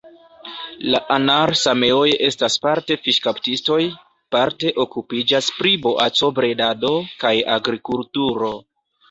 La anar-sameoj estas parte fiŝkaptistoj, parte okupiĝas pri boaco-bredado kaj agrikulturo.